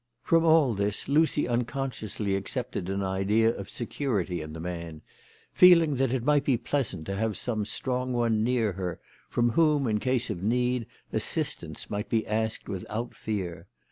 From all this Lucy unconsciously accepted an idea of security in the man, feeling that it might be pleasant to have some strong one near her, from whom in case of need assistance might be asked without fear.